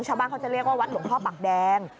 ชาวบ้านเขาจะเรียกว่าวัดหลวงพ่อปากแดง